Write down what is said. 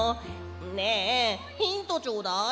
ねえヒントちょうだい！